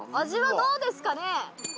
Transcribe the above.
味はどうですかね？